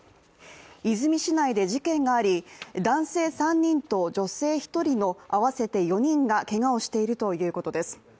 和泉市内で事件があり、男性３人と女性１人の合わせて４人がけがをしているということです。